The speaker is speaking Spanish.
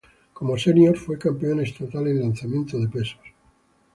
Como senior, fue campeón estatal en lanzamiento de peso.